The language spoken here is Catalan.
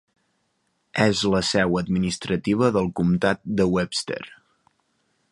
És la seu administrativa del comtat de Webster.